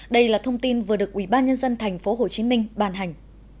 đây là thông tin vừa được ubnd tp hcm bàn hành